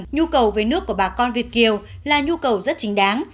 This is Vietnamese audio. nhu cầu về nước của bà con việt kiều là nhu cầu rất chính đáng